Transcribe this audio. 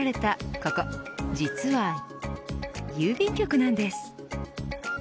ここ、実は郵便局なんです。